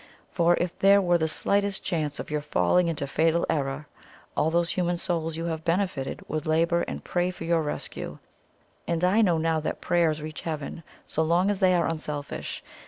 For if there were the slightest chance of your falling into fatal error, all those human souls you have benefited would labour and pray for your rescue; and I know now that prayers reach Heaven, so long as they are unselfish.